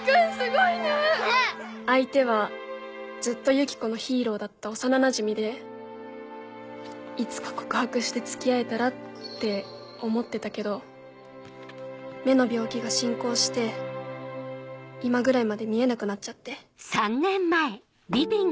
相手はずっとユキコのヒーローだった幼なじみでいつか告白して付き合えたらって思ってたけど目の病気が進行して今ぐらいまで見えなくなっちゃって。